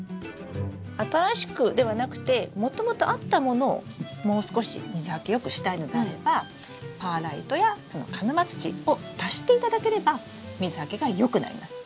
新しくではなくてもともとあったものをもう少し水はけよくしたいのであればパーライトや鹿沼土を足していただければ水はけがよくなります。